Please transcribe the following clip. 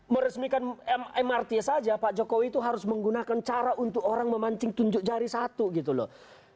meresmikan mrt saja pak jokowi itu harus menggunakan cara untuk orang memancing tunjuk jari satu gitu loh